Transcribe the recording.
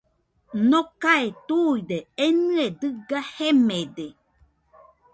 Nokae tuide enɨe dɨga jemede